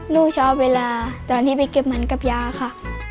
ลูกชอบเวลาตอนที่ไปเก็บมันกับยาค่ะ